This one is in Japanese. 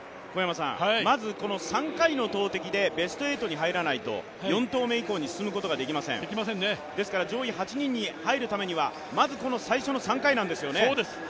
まず３回の投てきでベスト８に入らないと４投目以降に進むことができませんですから上位８人に入るためにはまずこの３回なんですよね。